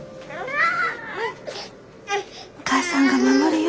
お母さんが守るよ。